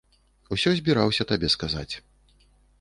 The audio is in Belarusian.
Усё збіраўся табе сказаць.